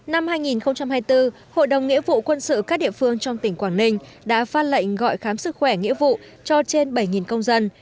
năm hai nghìn hai mươi bốn hội đồng nghĩa vụ quân sự các địa phương trong tỉnh quảng ninh đã phát lệnh gọi khám sức khỏe nghĩa vụ cho trên bảy công dân